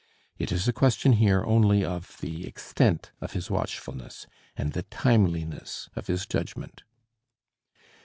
It is a question here only of the extent of his watchfulness, and the timeliness of his judgment.